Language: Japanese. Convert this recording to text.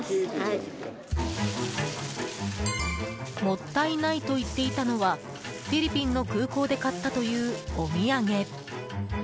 もったいないと言っていたのはフィリピンの空港で買ったというお土産。